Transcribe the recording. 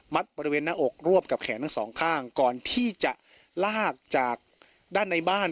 บริเวณหน้าอกรวบกับแขนทั้งสองข้างก่อนที่จะลากจากด้านในบ้าน